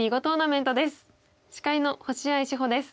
司会の星合志保です。